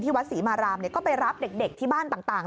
วัดศรีมารามก็ไปรับเด็กที่บ้านต่าง